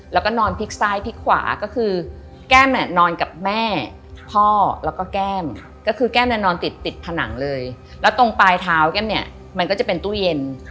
แล้วก็นอนพลิกซ้ายพลิกขวาก็คือแก้มเนี่ยนอนกับแม่พ่อแล้วก็แก้มก็คือแก้มเนี่ยนอนติดติดผนังเลยแล้วตรงปลายเท้าแก้มเนี่ยมันก็จะเป็นตู้เย็น